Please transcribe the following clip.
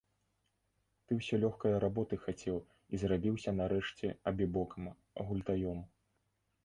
Ты ўсё лёгкае работы хацеў і зрабіўся нарэшце абібокам, гультаём.